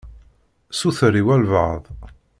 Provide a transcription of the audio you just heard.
Suter i walebɛaḍ.